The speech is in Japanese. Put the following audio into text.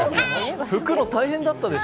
拭くの大変だったでしょ。